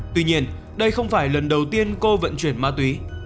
tuy nhiên đây không phải lần đầu tiên cô vận chuyển ma túy